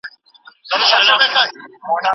ایا تاریخي مطالعه د شخصیت لپاره ګټوره ده؟